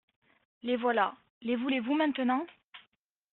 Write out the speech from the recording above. Les voilà ; les voulez-vous maintenant ?